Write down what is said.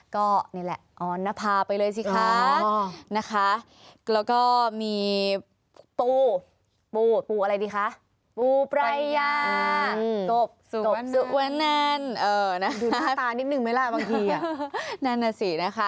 ก็นี่แหละออนภาไปเลยสิคะนะคะ